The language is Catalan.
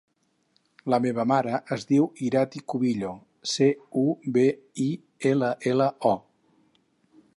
La meva mare es diu Irati Cubillo: ce, u, be, i, ela, ela, o.